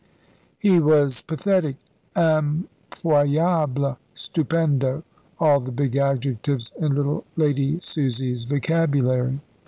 He was pathetic, impayable, stupendo, all the big adjectives in little Lady Susie's vocabulary.